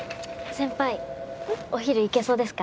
先輩お昼行けそうですか？